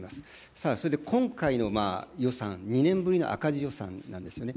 さあ、それで今回の予算、２年ぶりの赤字予算なんですよね。